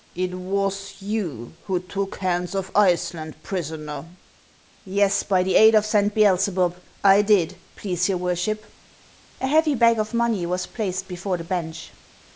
" It was you who took Hans of Iceland prisoner ?"" Yes, by the aid of Saint Beelzebub, I did, please your worship." A heavy bag of money was placed before the bench.